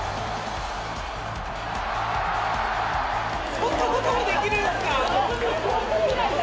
そんなこともできるんすかっ！